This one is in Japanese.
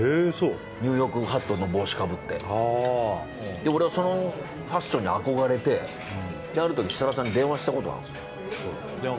ニューヨークハットの帽子をかぶってそのファッションに憧れてある時設楽さんに電話したことがあって。